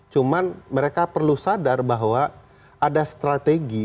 cuma mereka perlu sadar bahwa ada strategi